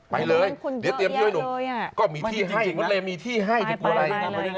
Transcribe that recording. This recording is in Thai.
ไปเลยเดี๋ยวเตรียมพี่ให้หนูก็มีที่ให้มันเลยมีที่ให้จะกลัวอะไร